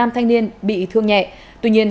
năm thanh niên bị thương nhẹ tuy nhiên